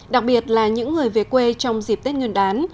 đặc biệt là những người về quê trong dịp tết nguyên đán